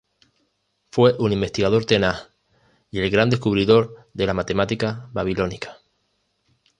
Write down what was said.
Fue un investigador tenaz, y el gran descubridor de la matemática babilónica.